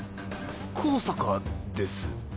香坂です。